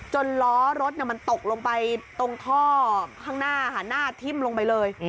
ล้อรถมันตกลงไปตรงท่อข้างหน้าค่ะหน้าทิ่มลงไปเลย